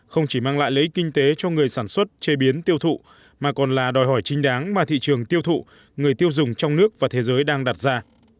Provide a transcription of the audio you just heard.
không chỉ mang lại lấy kinh tế cho người sản xuất chế biến tiêu thụ mà còn là đòi hỏi trinh đáng mà thị trường tiêu thụ người tiêu dùng trong nước và thế giới đang đặt ra